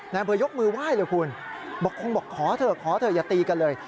อำเภอยกมือไหว้เลยคุณบอกคงบอกขอเถอะขอเถอะอย่าตีกันเลย